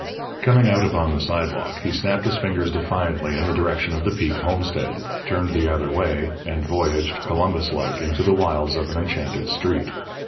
Coming out upon the sidewalk, he snapped his fingers defiantly in the direction of the Peek homestead, turned the other way, and voyaged, Columbus like into the wilds of an enchanted street.